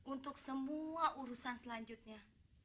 untuk semua urusan selanjutnya